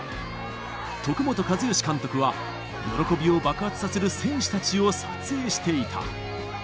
徳本一善監督は、喜びを爆発させる選手たちを撮影していた。